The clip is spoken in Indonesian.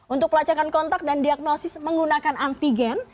untuk pelacakan kontak dan diagnosis menggunakan antigen